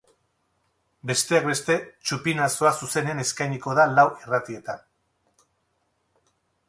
Besteak beste, txupinazoa zuzenean eskainiko da lau irratietan.